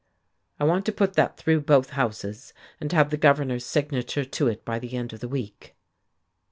"I want to put that through both houses and have the governor's signature to it by the end of the week."